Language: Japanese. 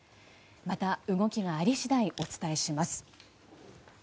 また動きがあり次第お伝えします。